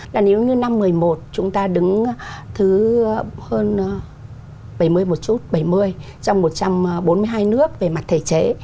là nếu như năm một mươi một chúng ta đứng thứ hơn bảy mươi một chút bảy mươi trong một trăm bốn mươi hai nước về mặt thể chế